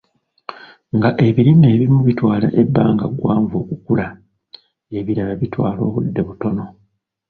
Nga ebirime ebimu bitwala ebbanga ggwanvu okukula, ebirala bitwala obudde butono.